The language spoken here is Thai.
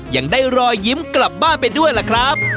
ยังได้รอยยิ้มกลับบ้านไปด้วยล่ะครับ